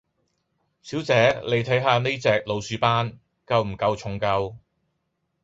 小姐，妳睇下呢隻老鼠斑，夠唔夠重夠？